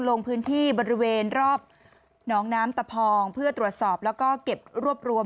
ลงพื้นที่บริเวณรอบหนองน้ำตะพองเพื่อตรวจสอบแล้วก็เก็บรวบรวม